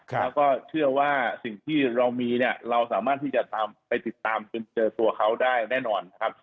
แล้วก็เชื่อว่าสิ่งที่เรามีเนี่ยเราสามารถที่จะตามไปติดตามจนเจอตัวเขาได้แน่นอนนะครับ